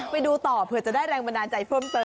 ไปดูต่อเผื่อจะได้แรงบันดาลใจเพิ่มเติม